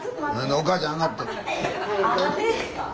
お母ちゃん上がって。